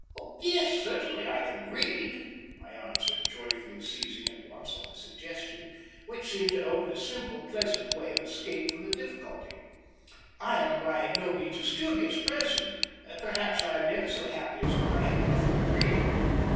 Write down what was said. "Oh yes, certainly I can read," I answered, joyfully seizing at once on the suggestion, which seemed to open a simple, pleasant way of escape from the difficulty. "I am by no means a studious person; perhaps I am never so happy as when I have nothing to read.